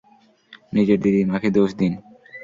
নিজের দিদিমাকে দোষ দিন।